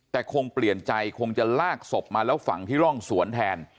แต่คงเปลี่ยนใจคงจะลากศพมาแล้วฝังที่ร่องสวนแทน